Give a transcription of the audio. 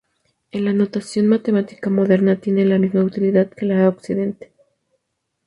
En la notación matemática moderna, tiene la misma utilidad que la a occidente.